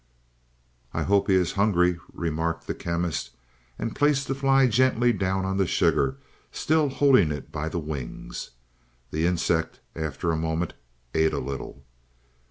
"I hope he is hungry," remarked the Chemist, and placed the fly gently down on the sugar, still holding it by the wings. The insect, after a moment, ate a little.